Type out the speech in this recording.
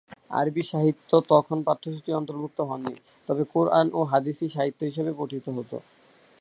আরবি সাহিত্য তখন পাঠ্যসূচির অন্তর্ভুক্ত হয়নি, তবে কুরআন ও হাদীসই সাহিত্য হিসেবে পঠিত হতো।